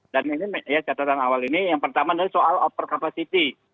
dan catatan awal ini yang pertama adalah soal upper capacity